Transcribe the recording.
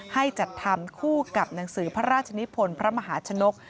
ให้จัดทำคู่กับหนังสือพระราชนิพลพระมหาชนก